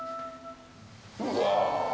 うわ。